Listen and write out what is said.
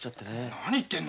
何言ってんの。